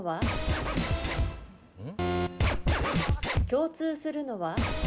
共通するのは？